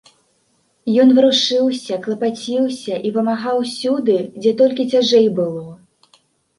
Ён варушыўся, клапаціўся і памагаў усюды, дзе толькі цяжэй было.